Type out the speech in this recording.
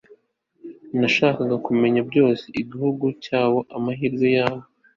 nashakaga kumenya byose, igihugu cyabo, amahirwe yabo